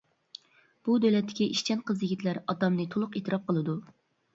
بۇ دۆلەتتىكى ئىشچان قىز-يىگىتلەر ئاتامنى تولۇق ئېتىراپ قىلىدۇ.